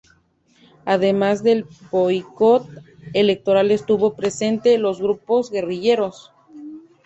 Además del boicot electoral estuvo presente los grupos guerrilleros.